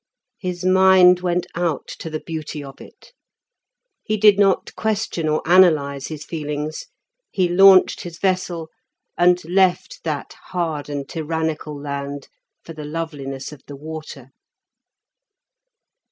His mind went out to the beauty of it. He did not question or analyse his feelings; he launched his vessel, and left that hard and tyrannical land for the loveliness of the water.